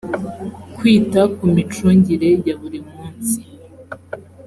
kwita ku mi cungire ya buri munsi